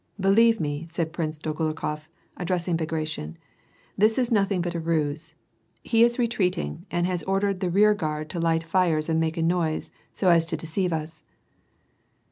" Believe me," said Prince Dolgorukof, addressing Bagration, " This is nothing but a ruse ; he is retreating, and has ordered the rearguard to light fires and make a noise, so as to deceive us."